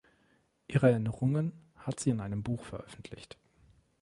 Ihre Erinnerungen hat sie in einem Buch veröffentlicht.